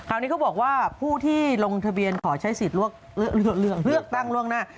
นี้เขาบอกว่าผู้ที่ลงทะเบียนขอใช้สิทธิ์เลือกตั้งล่วงหน้า